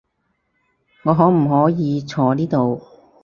我可唔可以坐呢度？